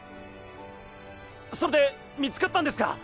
それで見つかったんですか？